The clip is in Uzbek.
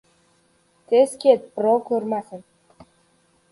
Tez ket, birov ko‘rmasin!